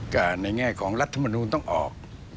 ก็ในแง่ของรัฐมนูลต้องออก